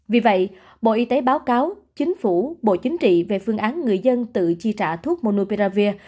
vì vậy bộ y tế báo cáo chính phủ bộ chính trị về phương án người dân tự chi trả thuốc monoperavir